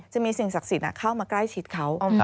สิ่งศักดิ์สิทธิ์เข้ามาใกล้ชิดเขา